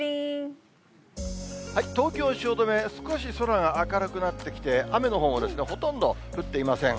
東京・汐留、少し空が明るくなってきて、雨のほうは、ほとんど降っていません。